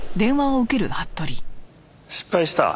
失敗した？